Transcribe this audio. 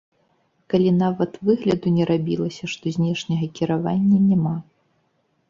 Калі нават выгляду не рабілася, што знешняга кіравання няма!